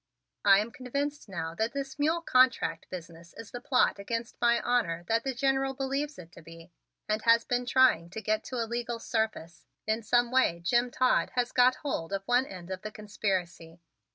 "I am convinced now that this mule contract business is the plot against my honor that the General believes it to be and has been trying to get to a legal surface. In some way Jim Todd has got hold of one end of the conspiracy.